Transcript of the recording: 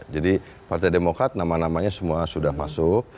partai demokrat nama namanya semua sudah masuk